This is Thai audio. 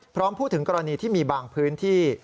พร้อมพูดถึงกรณีที่มีบางพื้นที่